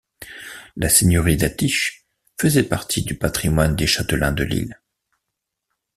La seigneurie d'Attiches faisait partie du patrimoine des châtelains de Lille.